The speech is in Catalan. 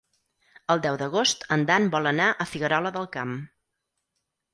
El deu d'agost en Dan vol anar a Figuerola del Camp.